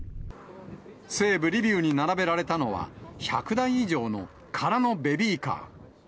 西部リビウに並べられたのは、１００台以上の空のベビーカー。